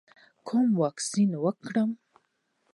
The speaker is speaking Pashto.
کوم واکسین وکړم؟